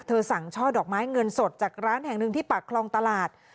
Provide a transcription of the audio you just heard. สั่งช่อดอกไม้เงินสดจากร้านแห่งหนึ่งที่ปากคลองตลาด